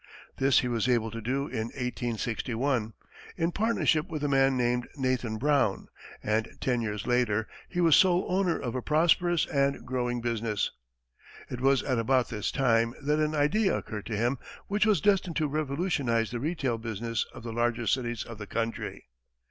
This he was able to do in 1861, in partnership with a man named Nathan Brown, and ten years later, he was sole owner of a prosperous and growing business. It was at about this time that an idea occurred to him which was destined to revolutionize the retail business of the larger cities of the country.